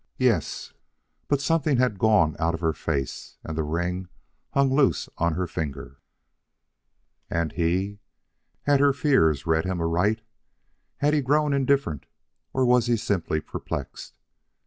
Yes, but something had gone out of her face, and the ring hung loose on her finger. And he? Had her fears read him aright? Had he grown indifferent or was he simply perplexed?